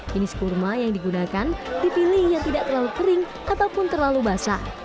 jenis kurma yang digunakan dipilih yang tidak terlalu kering ataupun terlalu basah